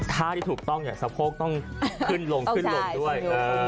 ท่าที่ถูกต้องเนี่ยสะโพกต้องขึ้นลงขึ้นลงด้วย